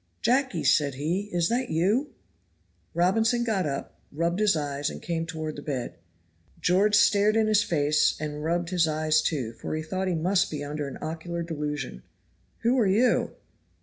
"Jacky," said he, "is that you?" Robinson got up, rubbed his eyes, and came toward the bed. George stared in his face and rubbed his eyes, too, for he thought he must be under an ocular delusion. "Who are you?"